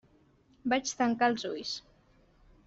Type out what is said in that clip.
Vaig tancar els ulls.